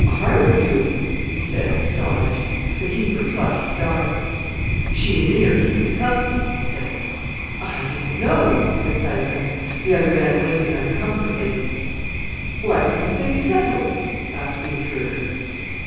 "Are you?" he said, astonished. The keeper flushed dark. "She and me are keeping company," he said. "I didn't know!" said Syson. The other man waited uncomfortably. "What, is the thing settled?" asked the intruder.